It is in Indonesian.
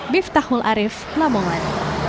biftahul arief lamongan